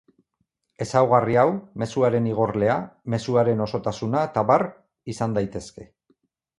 Ezaugarri hau, mezuaren igorlea, mezuaren osotasuna eta abar... izan daitezke.